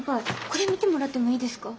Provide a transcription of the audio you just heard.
これ見てもらってもいいですか？